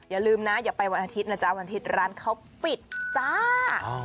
อย่าลืมนะอย่าไปวันอาทิตย์นะจ๊ะวันอาทิตย์ร้านเขาปิดจ้า